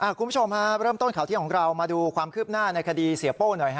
คุณผู้ชมฮะเริ่มต้นข่าวเที่ยงของเรามาดูความคืบหน้าในคดีเสียโป้หน่อยฮ